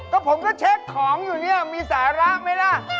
ก็ผมก็เช็คของอยู่เนี่ยมีสาระไหมล่ะ